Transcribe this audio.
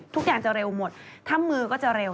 ทุกอย่างจะเร็วหมดถ้ามือก็จะเร็ว